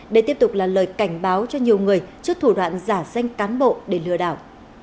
để tiếp tục là lời cảnh báo cho nhiều người trước thủ đoạn giả danh cán bộ để lừa đảo